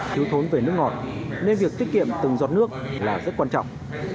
thiếu thốn về nước ngọt nên việc tiết kiệm từng giọt nước là rất quan trọng